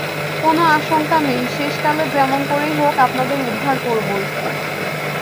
কোনো আশঙ্কা নেই, শেষকালে যেমন করেই হোক আপনাদের উদ্ধার করবই।